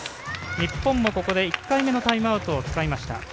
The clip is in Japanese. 日本もここで１回目のタイムアウトを使いました。